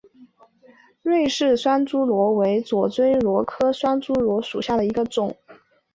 芮氏双珠螺为左锥螺科双珠螺属下的一个种。